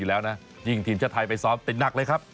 แล้วนะยิ่งทีมชาติไทยไปซ้อมติดหนักเลยครับ